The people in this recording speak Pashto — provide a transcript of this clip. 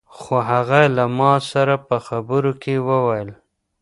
خو هغه له ما سره په خبرو کې وويل.